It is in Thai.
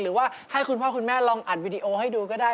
หรือว่าให้คุณพ่อคุณแม่ลองอัดวิดีโอให้ดูก็ได้